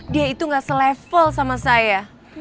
dia itu nggak se level sama saya